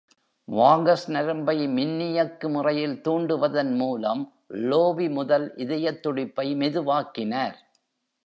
வாகஸ் நரம்பை மின்னியக்கு முறையில் தூண்டுவதன் மூலம், லோவி முதல் இதயத் துடிப்பை மெதுவாக்கினார்.